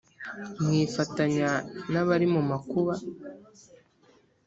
Mwifatanya n abari mu makuba